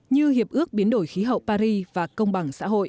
như hiệp ước biến đổi khí hậu paris và công bằng xã hội